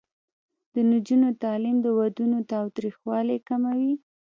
د نجونو تعلیم د ودونو تاوتریخوالي کموي.